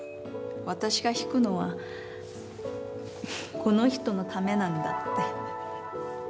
私が弾くのはこの人のためなんだって。